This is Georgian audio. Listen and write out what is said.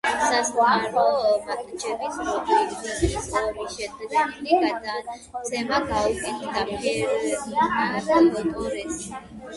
სასტარტო მატჩებში როდრიგესმა ორი შედეგიანი გადაცემა გაუკეთა ფერნანდო ტორესს.